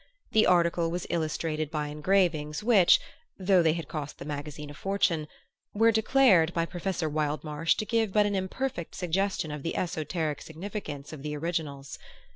The article was illustrated by engravings which (though they had cost the magazine a fortune) were declared by Professor Wildmarsh to give but an imperfect suggestion of the esoteric significance of the originals.